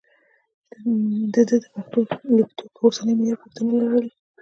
ده د پښتو لیکدود پر اوسني معیار پوښتنې لرلې.